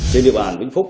trên địa bàn vĩnh phúc